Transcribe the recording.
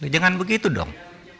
jangan begitu dong